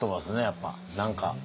やっぱ何か。